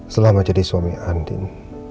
selama jadi suami andin